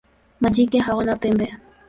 Majike hawana pembe.